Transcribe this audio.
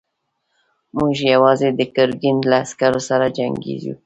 موږ يواځې د ګرګين له عسکرو سره جنګېږو.